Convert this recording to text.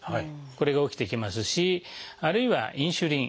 これが起きてきますしあるいはインスリン